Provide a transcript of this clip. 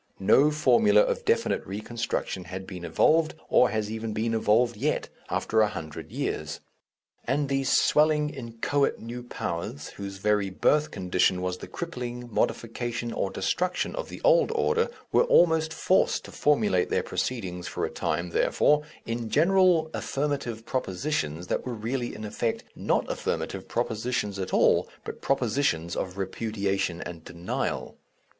No formula of definite re construction had been evolved, or has even been evolved yet, after a hundred years. And these swelling inchoate new powers, whose very birth condition was the crippling, modification, or destruction of the old order, were almost forced to formulate their proceedings for a time, therefore, in general affirmative propositions that were really in effect not affirmative propositions at all, but propositions of repudiation and denial.